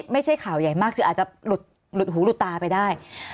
ไม่ใช่ข่าวใหญ่มากคืออาจจะหลุดหูหลุดตาไปได้